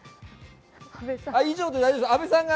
以上で大丈夫です。